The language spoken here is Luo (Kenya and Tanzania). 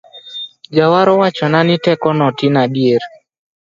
Jawar owachona ni teko notin adier